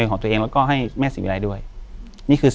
อยู่ที่แม่ศรีวิรัยิลครับ